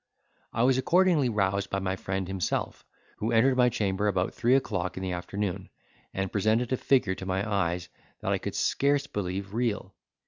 I was accordingly roused by my friend himself, who entered my chamber about three o'clock in the afternoon, and presented a figure to my eyes that I could scarce believe real.